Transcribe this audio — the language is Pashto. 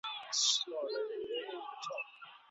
څنګه سخت کار د انسان په رواني روغتیا مثبت اغېز کوي؟